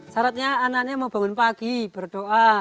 syaratnya anaknya mau bangun pagi berdoa